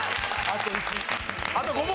あと５問？